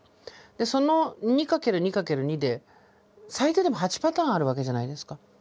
その２×２×２で最低でも８パターンあるわけじゃないですか。